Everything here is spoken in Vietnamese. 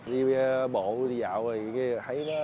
đi bộ đi dạo rồi thấy